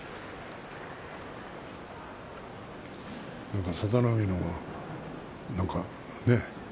なんか佐田の海のほうがね